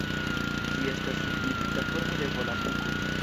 Ĝi estas simpligita formo de Volapuko.